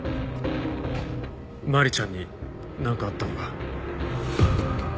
麻里ちゃんになんかあったのか？